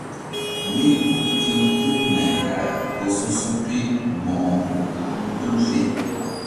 Mí ku ti̧h tul nay kara ku su̧su̧pi mo̧ko ur haŋ tul fe.